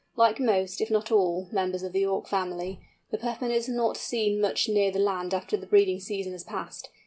Like most, if not all, members of the Auk family, the Puffin is not seen much near the land after the breeding season has passed.